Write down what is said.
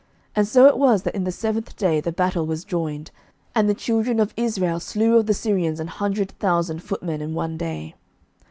And so it was, that in the seventh day the battle was joined: and the children of Israel slew of the Syrians an hundred thousand footmen in one day.